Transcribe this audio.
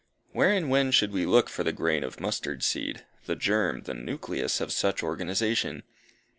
Where and when should we look for the "grain of mustard seed," the germ, the nucleus of such organization?